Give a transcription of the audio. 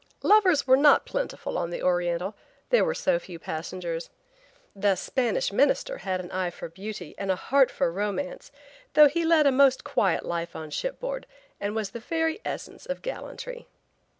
Lovers were not plentiful on the Oriental, there were so few passengers. The "Spanish minister" had an eye for beauty and a heart for romance, though he led a most quiet life on shipboard, and was the very essence of gallantry.